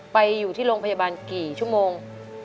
ไปอยู่ที่โรงพยาบาลกี่ชั่วโมง